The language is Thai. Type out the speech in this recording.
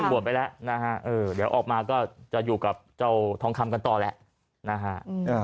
บวชไปแล้วนะฮะเดี๋ยวออกมาก็จะอยู่กับเจ้าทองคำกันต่อแหละนะฮะ